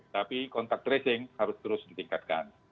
tapi kontak tracing harus terus ditingkatkan